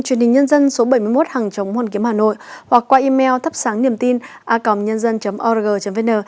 truyền hình nhân dân số bảy mươi một hàng chống hoàn kiếm hà nội hoặc qua email thắpsángniềmtina org vn